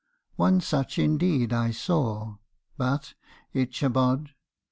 One such indeed I saw, but, Ichabod!